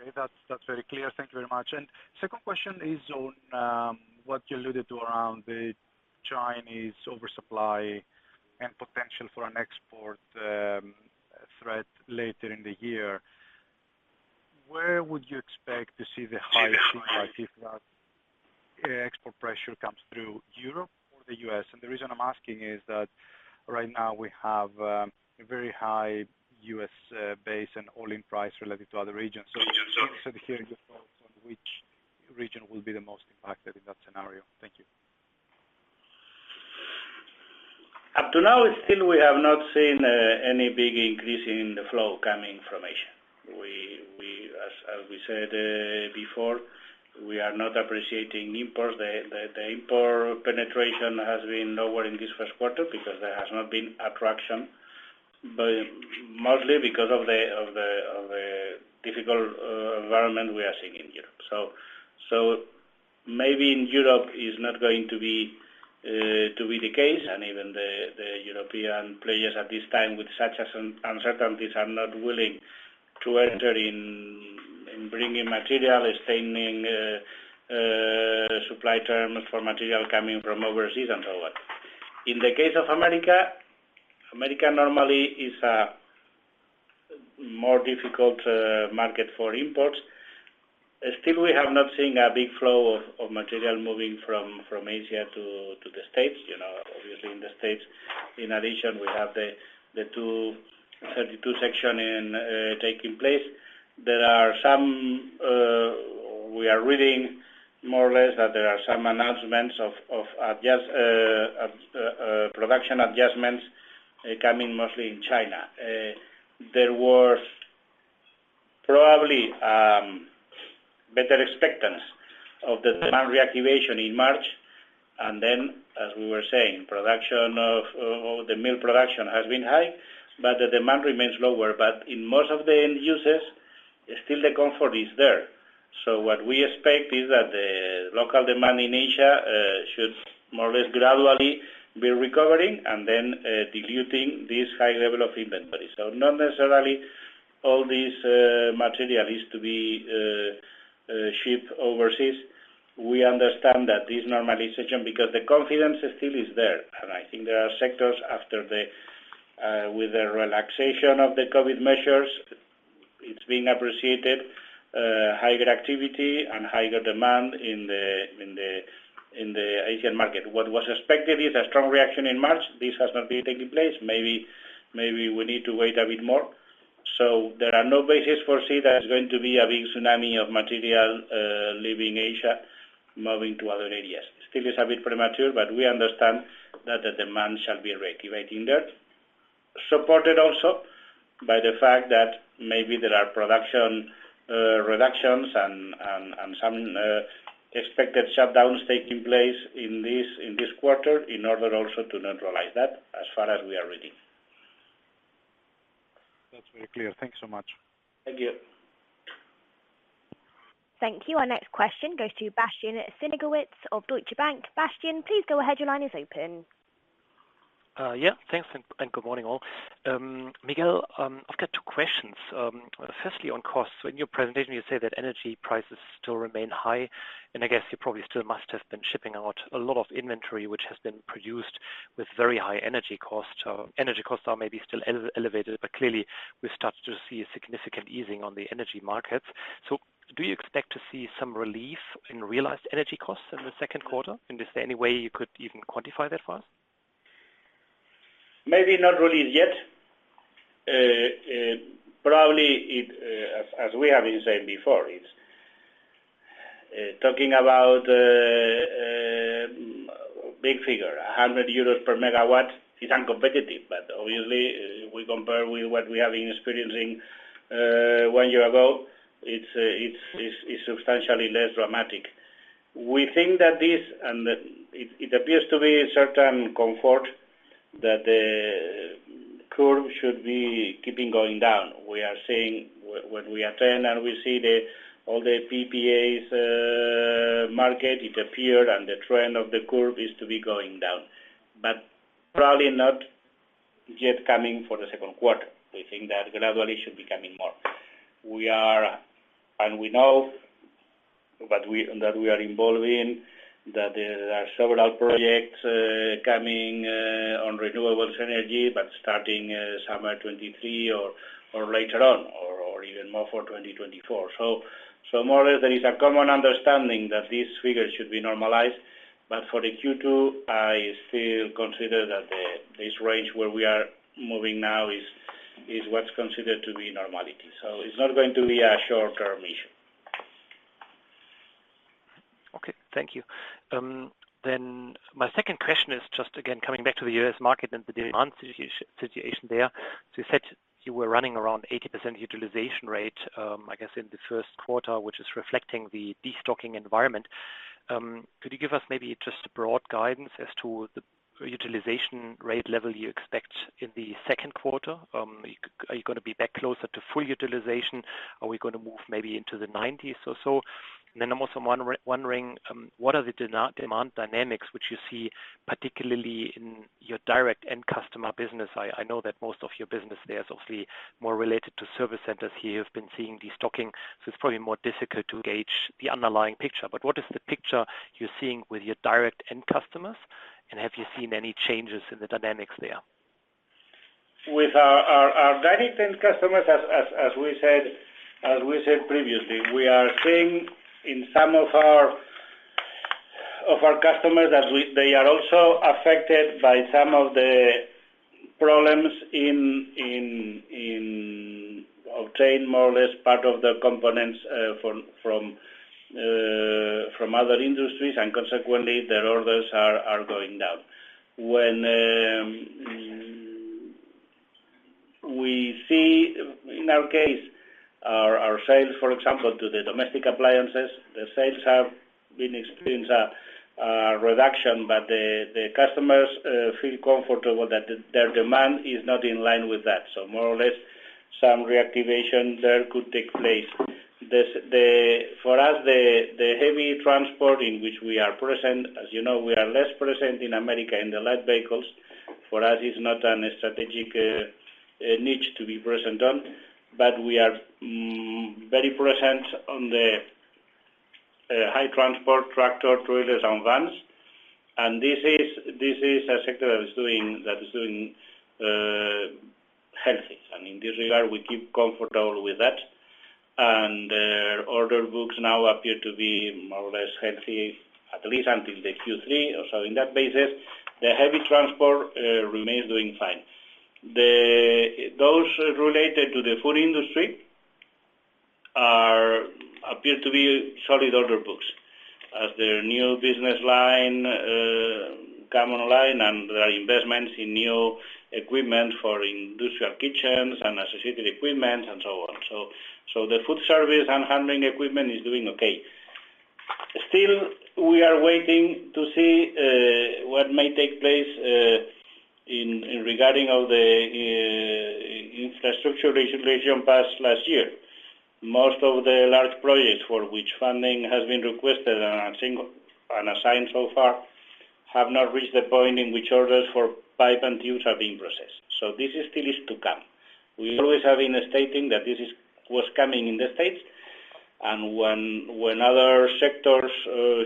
Okay. That's very clear. Thank you very much. Second question is on what you alluded to around the Chinese oversupply and potential for an export threat later in the year. Where would you expect to see the highest impact if that export pressure comes through Europe or the U.S.? The reason I'm asking is that right now we have a very high U.S. base and all-in price related to other regions. Interested in hearing your thoughts on which region will be the most impacted in that scenario. Thank you. Up to now, still we have not seen any big increase in the flow coming from Asia. We as we said before, we are not appreciating imports. The import penetration has been lower in this first quarter because there has not been attraction, but mostly because of the difficult environment we are seeing in Europe. Maybe in Europe is not going to be the case. Even the European players at this time with such uncertainties are not willing to enter in bringing material, extending supply terms for material coming from overseas and so on. In the case of America normally is a more difficult market for imports. We have not seen a big flow of material moving from Asia to the States. You know, obviously in the States, in addition, we have the Section 232 taking place. There are some, we are reading more or less that there are some announcements of production adjustments coming mostly in China. There was probably better expectance of the demand reactivation in March. As we were saying, the mill production has been high, but the demand remains lower. In most of the end users, still the comfort is there. What we expect is that the local demand in Asia should more or less gradually be recovering and then diluting this high level of inventory. Not necessarilyAll this material is to be shipped overseas. We understand that this normalization, because the confidence still is there. I think there are sectors after the with the relaxation of the COVID measures, it's being appreciated higher activity and higher demand in the Asian market. What was expected is a strong reaction in March. This has not been taking place. Maybe we need to wait a bit more. There are no basis for say there's going to be a big tsunami of material leaving Asia moving to other areas. Still is a bit premature, but we understand that the demand shall be reactivating there. Supported also by the fact that maybe there are production reductions and some expected shutdowns taking place in this quarter in order also to neutralize that as far as we are reading. That's very clear. Thanks so much. Thank you. Thank you. Our next question goes to Bastian Sienkiewicz of Deutsche Bank. Bastian, please go ahead. Your line is open. Yeah, thanks and good morning, all. Miguel, I've got two questions. Firstly, on costs. In your presentation, you say that energy prices still remain high, and I guess you probably still must have been shipping out a lot of inventory, which has been produced with very high energy costs. So energy costs are maybe still elevated, but clearly we start to see a significant easing on the energy markets. Do you expect to see some relief in realized energy costs in the second quarter? Is there any way you could even quantify that for us? Maybe not relief yet. Probably it, as we have been saying before, it's talking about big figure, 100 euros per megawatt is uncompetitive. Obviously we compare with what we have been experiencing, one year ago. It's substantially less dramatic. We think that this, and it appears to be a certain comfort that the curve should be keeping going down. We are seeing when we attend, and we see all the PPAs market, it appeared and the trend of the curve is to be going down. Probably not yet coming for the second quarter. We think that gradually should be coming more. We are, and we know that we are involved in, that there are several projects coming on renewables energy, but starting summer 2023 or later on, or even more for 2024. More or less there is a common understanding that these figures should be normalized. For the Q2, I still consider that this range where we are moving now is what's considered to be normality, so it's not going to be a short-term issue. Okay. Thank you. My second question is just again, coming back to the U.S. market and the demand situation there. You said you were running around 80% utilization rate, I guess in the first quarter, which is reflecting the destocking environment. Could you give us maybe just a broad guidance as to the utilization rate level you expect in the second quarter? Are you gonna be back closer to full utilization? Are we gonna move maybe into the 90s or so? I'm also wondering, what are the demand dynamics which you see, particularly in your direct end customer business? I know that most of your business there is obviously more related to service centers here. You've been seeing destocking, so it's probably more difficult to gauge the underlying picture. What is the picture you're seeing with your direct end customers, and have you seen any changes in the dynamics there? With our direct end customers, as we said, as we said previously, we are seeing in some of our customers that they are also affected by some of the problems in obtain more or less part of the components from other industries, and consequently their orders are going down. We see in our case, our sales, for example, to the domestic appliances, the sales have been experienced a reduction, but the customers feel comfortable that their demand is not in line with that. More or less some reactivation there could take place. The, for us, the heavy transport in which we are present, as you know, we are less present in America in the light vehicles. For us, it's not a strategic niche to be present on, but we are very present on the high transport tractor, trailers, and vans. This is a sector that is doing healthy. In this regard, we keep comfortable with that. Their order books now appear to be more or less healthy, at least until the Q3. In that basis, the heavy transport remains doing fine. Those related to the food industry appear to be solid order books as their new business line come online and there are investments in new equipment for industrial kitchens and associated equipment and so on. The food service and handling equipment is doing okay. We are waiting to see what may take place regarding all the infrastructure regulation passed last year. Most of the large projects for which funding has been requested and assigned so far have not reached the point in which orders for pipe and tubes are being processed. This still is to come. We always have been stating that this is what's coming in the States, when other sectors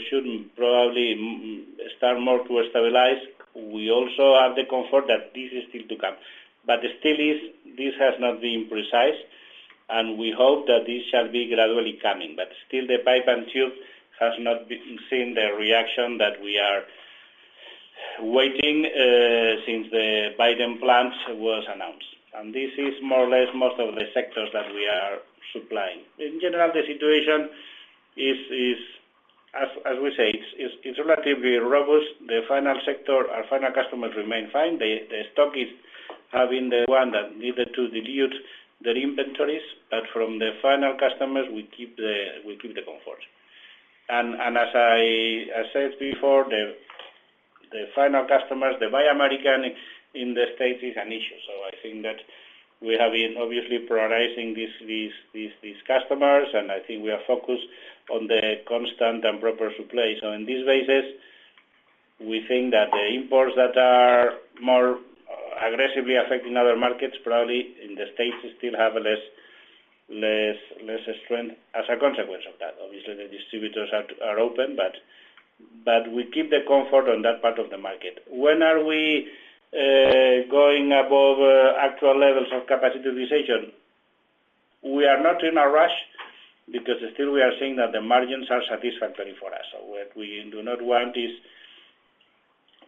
should probably start more to stabilize, we also have the comfort that this is still to come. Still this has not been precise. We hope that this shall be gradually coming. Still the pipe and tube has not been seen the reaction that we are waiting since the Biden plans was announced. This is more or less most of the sectors that we are supplying. In general, the situation is as we say, it's relatively robust. The final sector, our final customers remain fine. The stock is having the one that needed to dilute their inventories, but from the final customers, we keep the comfort. As I said before, the final customers, the Buy American in the States is an issue. I think that we have been obviously prioritizing these customers, and I think we are focused on the constant and proper supply. On these basis, we think that the imports that are more aggressively affecting other markets, probably in the States still have less strength as a consequence of that. Obviously, the distributors are open, but we keep the comfort on that part of the market. When are we going above actual levels of capacity decision? We are not in a rush because still we are seeing that the margins are satisfactory for us. What we do not want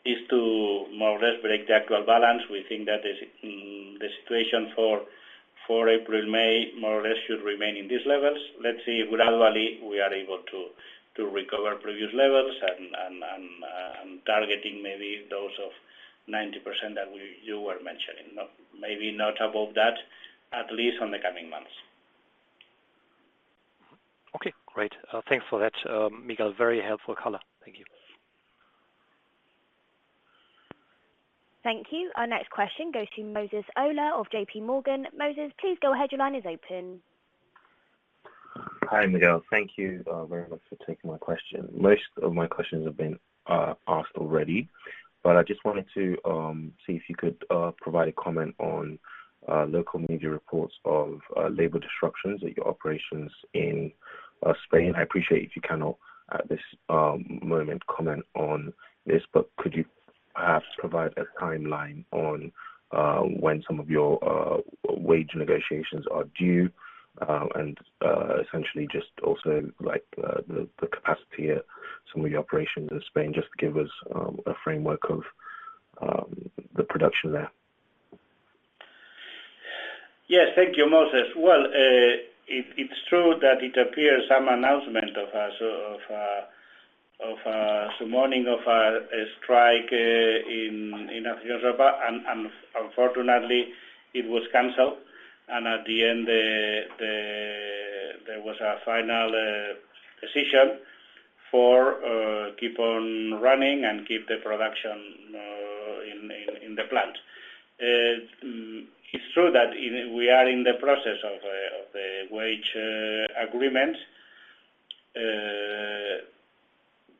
is to more or less break the actual balance. We think that the situation for April, May more or less should remain in these levels. Let's see if gradually we are able to recover previous levels and targeting maybe those of 90% that you were mentioning. Maybe not above that, at least on the coming months. Okay, great. Thanks for that, Miguel. Very helpful color. Thank you. Thank you. Our next question goes to Moses Ola of JPMorgan. Moses, please go ahead. Your line is open. Hi, Miguel. Thank you very much for taking my question. Most of my questions have been asked already, but I just wanted to see if you could provide a comment on local media reports of labor disruptions at your operations in Spain. I appreciate if you cannot, at this moment comment on this, but could you perhaps provide a timeline on when some of your wage negotiations are due, and essentially just also like the capacity at some of your operations in Spain, just give us a framework of the production there. Yes. Thank you, Moses. It's true that it appears some announcement of a summoning of a strike in Europe, unfortunately, it was canceled. At the end, there was a final decision for keep on running and keep the production in the plant. It's true that we are in the process of a wage agreement.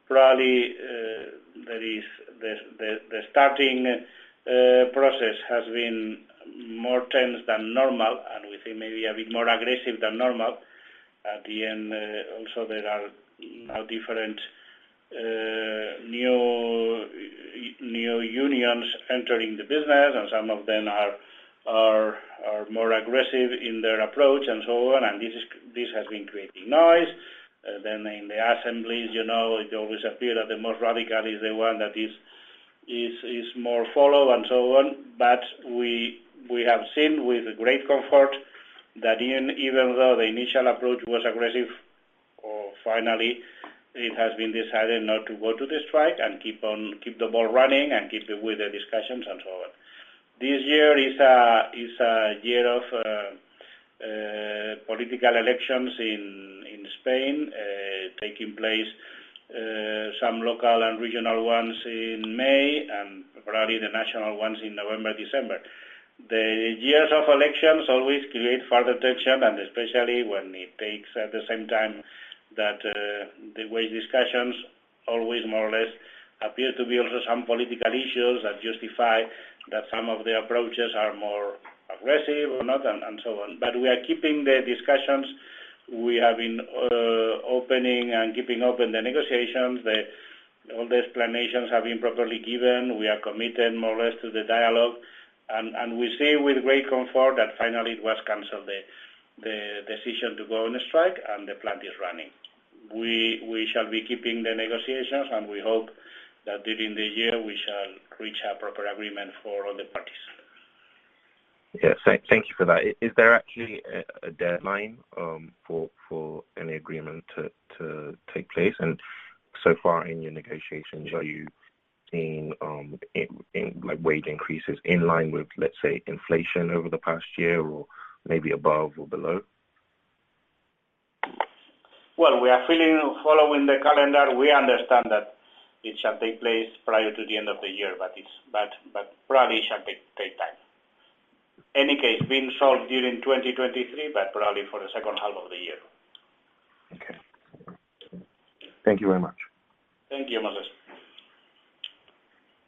Probably, there is the starting process has been more tense than normal, we think maybe a bit more aggressive than normal. At the end, also there are now different new unions entering the business, some of them are more aggressive in their approach and so on. This has been creating noise. In the assemblies, you know, it always appear that the most radical is the one that is more follow and so on. We have seen with great comfort that even though the initial approach was aggressive, or finally it has been decided not to go to the strike and keep the ball running and keep it with the discussions and so on. This year is a year of political elections in Spain, taking place some local and regional ones in May and probably the national ones in November, December. The years of elections always create further tension, and especially when it takes at the same time that the wage discussions always more or less appear to be also some political issues that justify that some of the approaches are more aggressive or not and so on. We are keeping the discussions. We have been opening and keeping open the negotiations. All the explanations have been properly given. We are committed more or less to the dialogue. We see with great comfort that finally it was canceled the decision to go on strike and the plant is running. We shall be keeping the negotiations, and we hope that during the year we shall reach a proper agreement for all the parties. Yeah. Thank you for that. Is there actually a deadline for any agreement to take place? So far in your negotiations, are you seeing in like wage increases in line with, let's say, inflation over the past year or maybe above or below? Well, we are feeling following the calendar. We understand that it shall take place prior to the end of the year, but probably it shall take time. Any case being solved during 2023, but probably for the second half of the year. Thank you very much. Thank you, Marcus.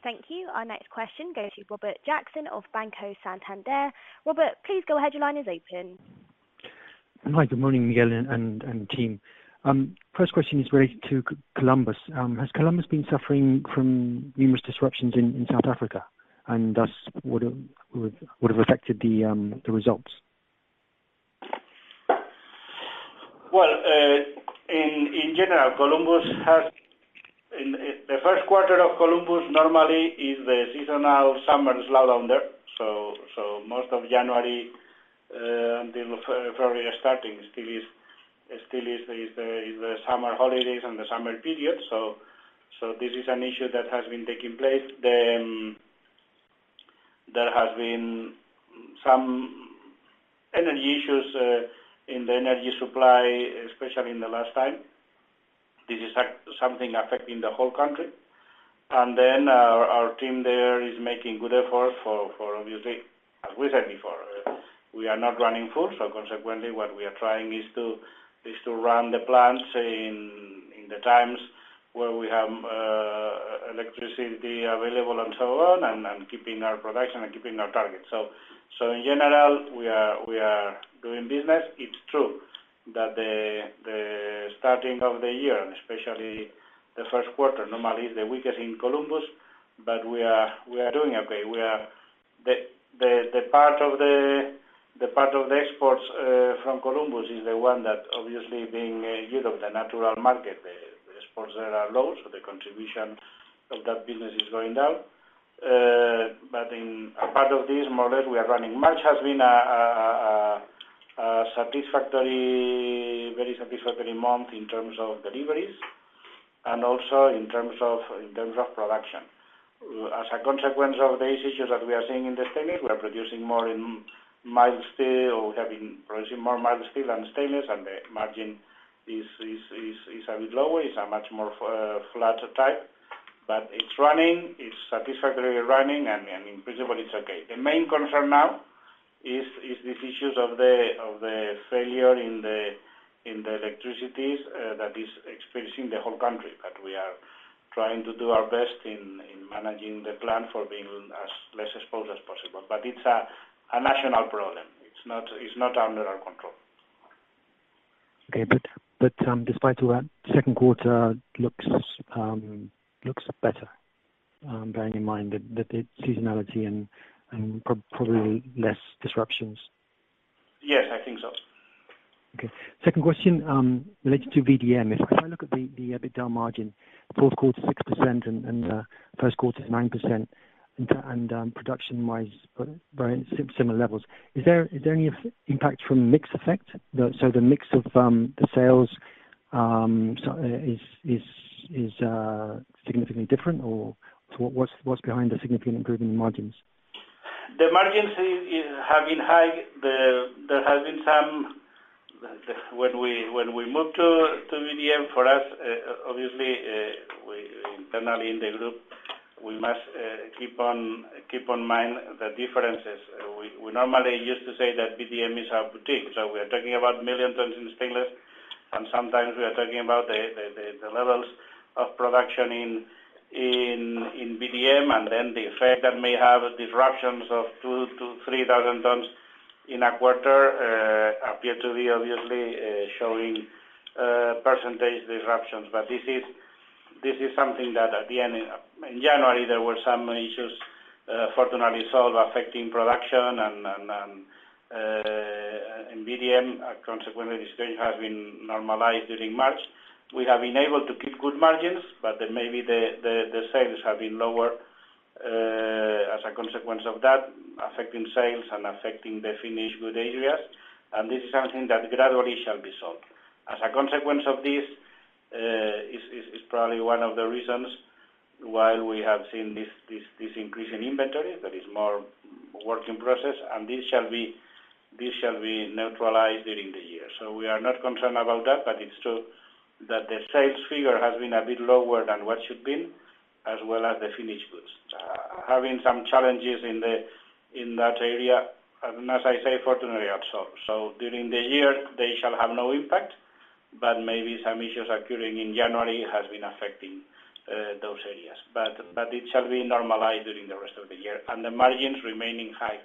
Thank you. Our next question goes to Robert Jackson of Banco Santander. Robert, please go ahead. Your line is open. Hi, good morning, Miguel and team. First question is related to Columbus. Has Columbus been suffering from numerous disruptions in South Africa, and thus would have affected the results? Well, in general, in the first quarter of Columbus normally is the seasonal summer slowdown there. Most of January until February are starting still is the summer holidays and the summer period. This is an issue that has been taking place. There has been some energy issues in the energy supply, especially in the last time. This is something affecting the whole country. Our team there is making good effort for obviously, as we said before, we are not running full, so consequently what we are trying is to run the plants in the times where we have electricity available and so on and keeping our production and keeping our targets. In general, we are doing business. It's true that the starting of the year, especially the first quarter normally is the weakest in Columbus. We are doing okay. The part of the exports from Columbus is the one that obviously being Europe, the natural market, the exports there are low, so the contribution of that business is going down. In a part of this model, we are running March has been a satisfactory, very satisfactory month in terms of deliveries and also in terms of production. As a consequence of these issues that we are seeing in the stainless, we are producing more in mild steel. We have been producing more mild steel and stainless, and the margin is a bit lower. It's a much more flatter type. It's satisfactorily running and in principle it's okay. The main concern now is these issues of the failure in the electricities that is experiencing the whole country. We are trying to do our best in managing the plan for being as less exposed as possible. It's a national problem. It's not under our control. Okay. Despite all that, second quarter looks better, bearing in mind that it's seasonality and probably less disruptions. Yes, I think so. Second question, related to VDM Metals. If I look at the EBITDA margin, fourth quarter 6% and first quarter is 9%, production-wise, very similar levels. Is there any impact from mix effect? The mix of the sales is significantly different or what's behind the significant improvement in margins? The margins have been high. There has been some. When we moved to VDM, for us, obviously, we internally in the group, we must keep on mind the differences. We normally used to say that VDM is our boutique, so we are talking about million tons in stainless, and sometimes we are talking about the levels of production in VDM, and then the effect that may have disruptions of 2,000-3,000 tons in a quarter appear to be obviously showing percentage disruptions. This is something that at the end in January, there were some issues, fortunately solved affecting production in VDM. Consequently, the strain has been normalized during March. We have been able to keep good margins, but then maybe the sales have been lower, as a consequence of that, affecting sales and affecting the finished goods areas. This is something that gradually shall be solved. As a consequence of this, is probably one of the reasons why we have seen this increase in inventory that is more work in process, and this shall be neutralized during the year. We are not concerned about that, but it's true that the sales figure has been a bit lower than what should've been, as well as the finished goods. Having some challenges in that area, and as I say, fortunately absorbed. During the year they shall have no impact, but maybe some issues occurring in January has been affecting those areas. It shall be normalized during the rest of the year, and the margins remaining high.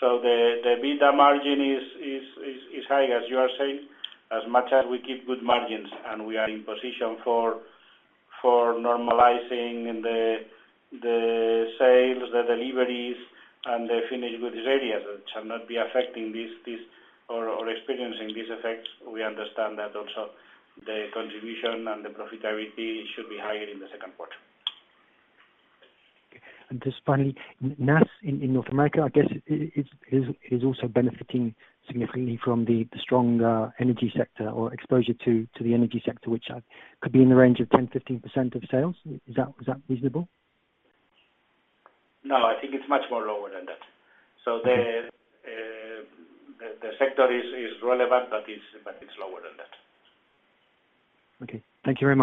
The EBITDA margin is high as you are saying. As much as we keep good margins and we are in position for normalizing the sales, the deliveries and the finished goods areas that shall not be affecting this or experiencing these effects, we understand that also the contribution and the profitability should be higher in the second quarter. Okay. Just finally, NAS in North America, I guess, is also benefiting significantly from the strong energy sector or exposure to the energy sector, which could be in the range of 10%-15% of sales. Is that reasonable? I think it's much more lower than that. The sector is relevant, but it's lower than that. Okay. Thank you very much.